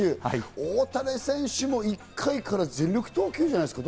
大谷選手も１回から全力投球じゃないですか？